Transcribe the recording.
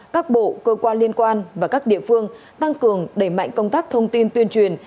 các bộ cơ quan liên quan và các địa phương tăng cường đẩy mạnh công tác thông tin tuyên truyền